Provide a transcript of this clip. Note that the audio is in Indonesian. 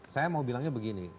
saya mau bilangnya begini